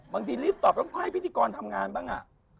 บางทีรีบตอบแล้วก็ให้พิธีกรทำงานบ้าง